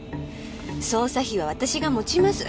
捜査費は私が持ちます。